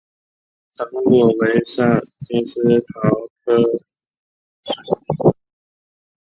山凤果为金丝桃科福木属下的一个种。